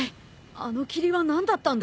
あの霧は何だったんだ？